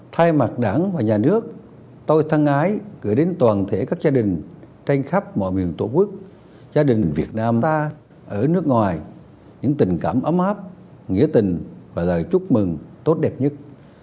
thay mặt đảng và nhà nước tôi thân ái gửi đến toàn thể các gia đình trên khắp mọi miền tổ quốc gia việt nam ta ở nước ngoài những tình cảm ấm áp nghĩa tình và lời chúc mừng tốt đẹp nhất